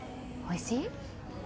おいしい？